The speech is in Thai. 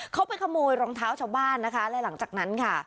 เขาไปขโมยรองเท้าชาวบ้านนะคะและหลังจากนั้นค่ะ